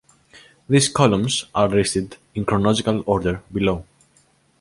These columns are listed in chronological order below.